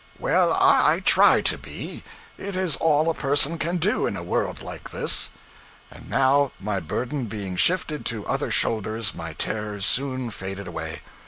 'Well, I try to be. It is all a person can do in a world like this.' And now, my burden being shifted to other shoulders, my terrors soon faded away.